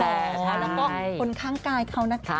แล้วก็คนข้างกายเขานะคะ